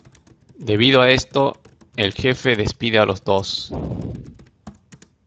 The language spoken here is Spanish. Debido a esto, el jefe despide a los dos.